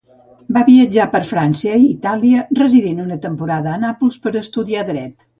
Va viatjar per França i Itàlia residint una temporada a Nàpols per estudiar Dret.